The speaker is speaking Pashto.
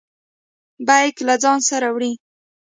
بیګ له ځانه سره وړئ؟